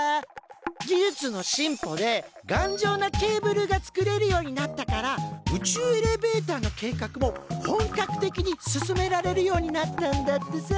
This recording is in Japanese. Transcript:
技術の進歩でがんじょうなケーブルが作れるようになったから宇宙エレベーターの計画も本格的に進められるようになったんだってさ。